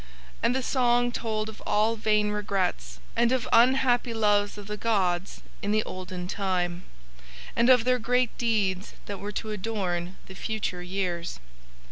And the song told of all vain regrets and of unhappy loves of the gods in the olden time, and of Their great deeds that were to adorn the future years.